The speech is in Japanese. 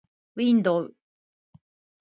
window